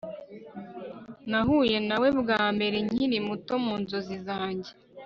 Nahuye nawe bwa mbere nkiri muto mu nzozi zanjye